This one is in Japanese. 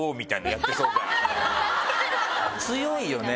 強いよね